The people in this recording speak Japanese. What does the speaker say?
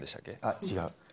違う。